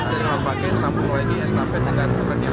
dari lompake sambung lagi s tape dengan truk yang lain